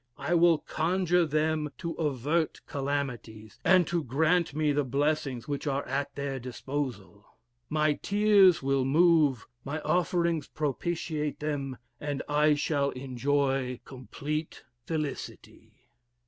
I will conjure them to avert the calamities, and to grant me the blessings which are at their disposal. My tears will move, my offerings propitiate them, and I shall enjoy complete felicity.'